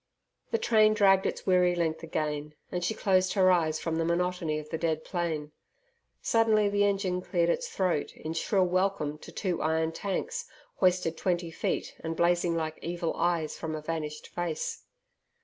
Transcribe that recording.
The train dragged its weary length again, and she closed her eyes from the monotony of the dead plain. Suddenly the engine cleared its throat in shrill welcome to two iron tanks, hoisted twenty feet and blazing like evil eyes from a vanished face.